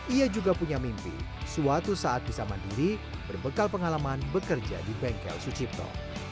ia juga punya mimpi suatu saat bisa mandiri berbekal pengalaman bekerja di bengkel sucipto